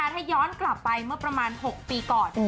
ถ้าย้อนกลับไปเมื่อประมาณ๖ปีก่อน